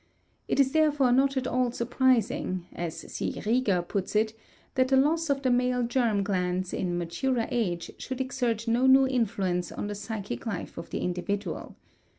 It is therefore not at all surprising, as C. Rieger puts it, that the loss of the male germ glands in maturer age should exert no new influence on the psychic life of the individual.